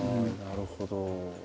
なるほど。